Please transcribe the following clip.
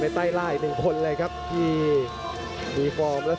เวลาเดินอากาศเป็นผู้รองคอ